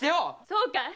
そうかい！